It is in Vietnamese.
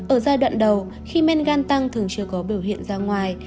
ở giai đoạn đầu khi men gan tăng thường chưa có biểu hiện ra ngoài